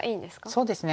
そうですね。